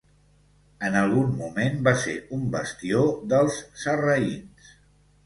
En algun moment va ser un bastió dels sarraïns.